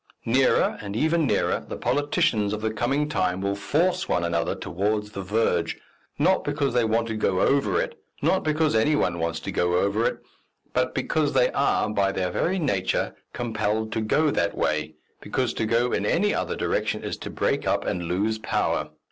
Nearer, and ever nearer, the politicians of the coming times will force one another towards the verge, not because they want to go over it, not because any one wants to go over it, but because they are, by their very nature, compelled to go that way, because to go in any other direction is to break up and lose power.